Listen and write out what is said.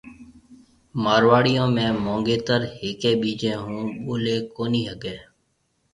مارواڙيون ۾ مونگيتر ھيَََڪيَ ٻِيجيَ ھون ٻوليَ ڪونِي ھگيَ